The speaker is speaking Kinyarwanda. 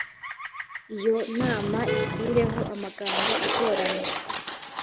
Iyo nama ikureho amagambo agoramye